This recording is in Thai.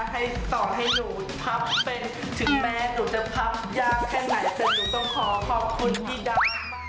ถึงแม้หนูจะพับยากแค่ไหนแต่หนูต้องขอขอบคุณพี่ดามาก